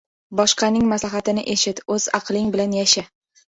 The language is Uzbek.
• Boshqaning maslahatini eshit, o‘z aqling bilan yasha.